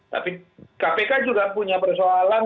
tapi kpk juga punya persoalan